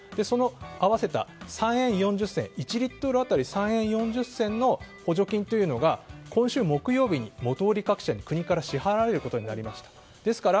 その合わせた１リットル当たり３円４０銭の補助金というのが今週木曜日に元売り各社に国から払われることになっています。